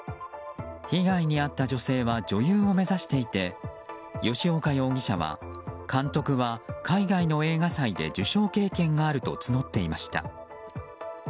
被害に遭った女性は女優を目指していて吉岡容疑者は、監督は海外の映画祭で受賞経験があると募っていました。